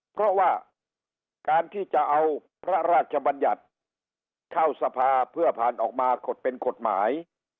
เพราะว่าการที่จะเอาพระราชบัญญัติเข้าสภาเพื่อผ่านออกมากดเป็นกฎหมาย